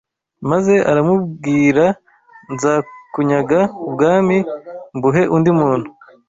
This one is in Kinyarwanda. maze aramubwiranzakunyaga ubwami mbuhe undi muntu